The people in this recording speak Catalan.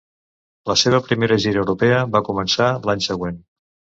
La seva primera gira europea va començar l'any següent.